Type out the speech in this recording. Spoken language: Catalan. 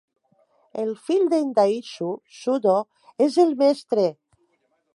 El fill d'en Daishu, Shudo, és el mestre.